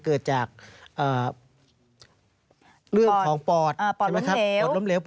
เกิดจากเรื่องของปอดปอดล้มเหลวการหายใจล้มเหลว